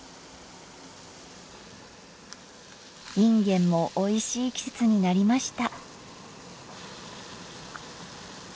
いんげんもおいしい季節になりました。